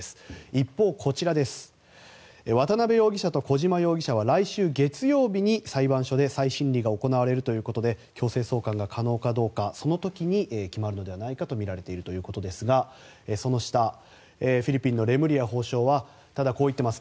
一方、こちら渡邉容疑者と小島容疑者は来週月曜日に裁判所で再審理が行われるということで強制送還が可能かどうかその時に決まるのではないかとみられているということですがその下フィリピンのレムリヤ法相はただ、こう言っています。